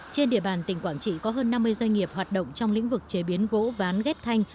trên địa bàn tỉnh quảng trị có hơn năm mươi doanh nghiệp hoạt động trong lĩnh vực chế biến gỗ ván ghép thanh